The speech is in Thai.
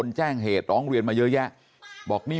น้าสาวของน้าผู้ต้องหาเป็นยังไงไปดูนะครับ